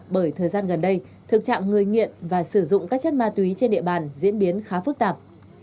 bởi thời gian gần đây thực trạng người nghiện và sử dụng các chất ma túy trên địa bàn diễn biến khá phức tạp